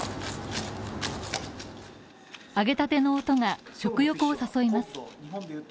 揚げたての音が食欲を誘います